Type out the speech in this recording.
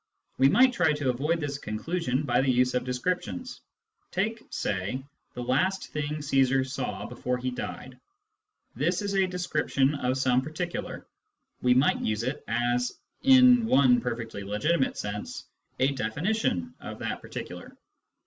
We might try to avoid this conclusion by the use of descriptions. Take (say) " the last thing Caesar saw before he died." This is a description of some particular ; we might use it as (in one perfectly legitimate sense) a definition of that particular.